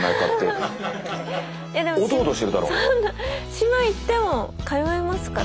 島行っても通えますから。